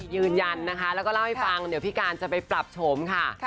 ยืนยันนะคะแล้วก็เล่าให้ฟังเดี๋ยวพี่การจะไปปรับโฉมค่ะ